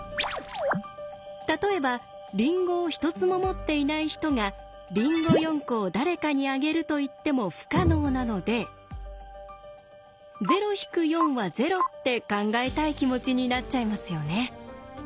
例えばりんごを一つも持っていない人が「りんご４個を誰かにあげる」と言っても不可能なのでって考えたい気持ちになっちゃいますよね。